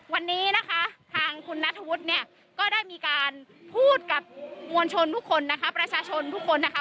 วันนี้นะคะทางคุณนัทธวุฒิเนี่ยก็ได้มีการพูดกับมวลชนทุกคนนะคะ